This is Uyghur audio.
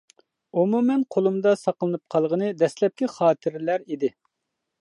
ئومۇمەن قولۇمدا ساقلىنىپ قالغىنى دەسلەپكى خاتىرىلەر ئىدى.